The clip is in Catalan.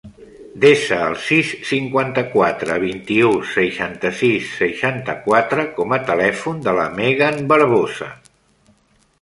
Desa el sis, cinquanta-quatre, vint-i-u, seixanta-sis, seixanta-quatre com a telèfon de la Megan Barbosa.